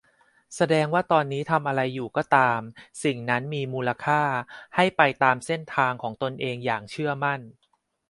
แสดงว่าตอนนี้ทำอะไรอยู่ก็ตามสิ่งนั้นมีมูลค่า ให้ไปตามเส้นทางของตนเองอย่างเชื่อมั่น